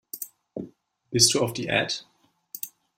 Bist du auf Diät?